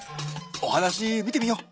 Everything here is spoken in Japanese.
お話見てみよう。